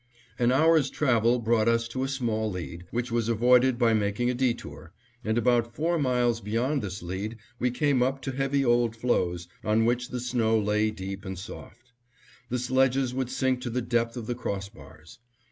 An hour's travel brought us to a small lead, which was avoided by making a detour, and about four miles beyond this lead we came up to heavy old floes, on which the snow lay deep and soft. The sledges would sink to the depth of the cross bars.